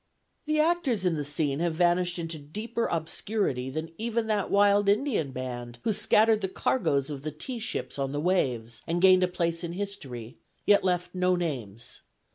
"The actors in the scene have vanished into deeper obscurity than even that wild Indian band who scattered the cargoes of the tea ships on the waves, and gained a place in history, yet left no names.